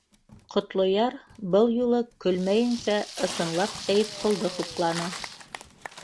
Ҡотлояр был юлы көлмәйенсә, ысынлап Сәйетҡолдо хупланы: